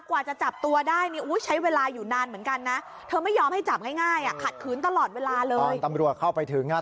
กว่าจะจับตัวได้นี่ใช้เวลาอยู่นานเหมือนกันนะ